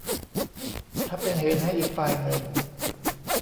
ถ้าเป็นเหตุให้อีกฝ่ายหนึ่ง